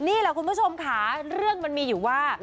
นี่แหละคุณผู้ชมค่ะเรื่องมันมีอยู่ว่า